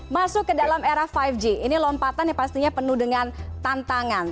masuk ke dalam era lima g ini lompatan yang pastinya penuh dengan tantangan